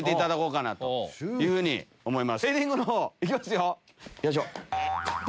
よいしょ。